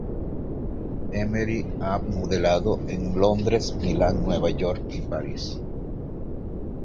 Emery ha modelado en Londres, Milan, Nueva York, y París.